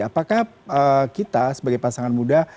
apakah kita sebagai pasangan muda